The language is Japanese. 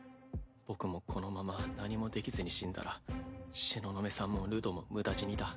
僕もこのまま何もできずに死んだら東雲さんもルドも無駄死にだ。